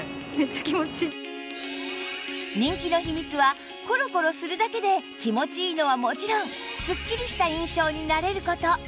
人気の秘密はコロコロするだけで気持ちいいのはもちろんスッキリした印象になれる事